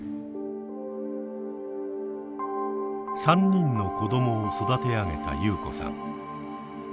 ３人の子どもを育て上げたユウコさん。